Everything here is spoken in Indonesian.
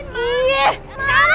lo lepasin mama